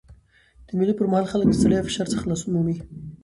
د مېلو پر مهال خلک له ستړیا او فشار څخه خلاصون مومي.